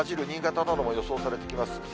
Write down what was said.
新潟なども予想されてきます。